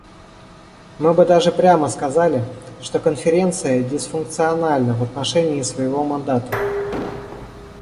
Мы бы даже прямо сказали, что Конференция дисфункциональна в отношении своего мандата.